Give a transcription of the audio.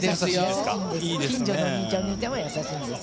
近所のお兄ちゃん、お姉ちゃんは優しいんです。